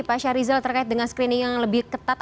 pasha rizal terkait dengan screening yang lebih ketat